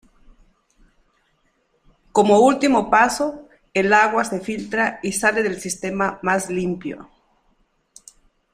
Como último paso el agua se filtra y sale del sistema más limpio.